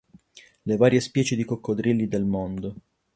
Le varie specie di coccodrilli del mondo.